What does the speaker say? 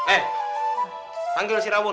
eh panggil si rawun